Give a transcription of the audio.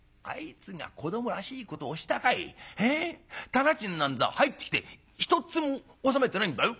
店賃なんざ入ってきてひとっつも納めてないんだよ。